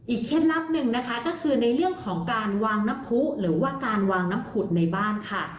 เคล็ดลับหนึ่งนะคะก็คือในเรื่องของการวางน้ำผู้หรือว่าการวางน้ำผุดในบ้านค่ะ